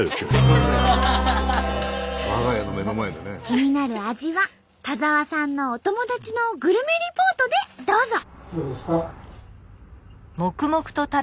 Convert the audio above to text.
気になる味は田澤さんのお友達のグルメリポートでどうぞ！